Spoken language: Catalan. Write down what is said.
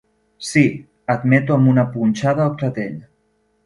Sí –admeto amb una punxada al clatell.